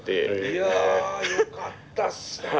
いやよかったっすね。